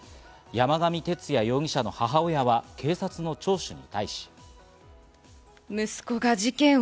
山上徹也容疑者の母親は警察の聴取に対し。